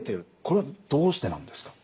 これはどうしてなんですか？